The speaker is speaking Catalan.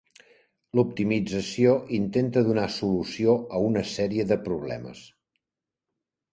L'optimització intenta donar solució a una sèrie de problemes.